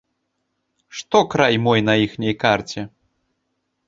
Што край мой на іхняй карце?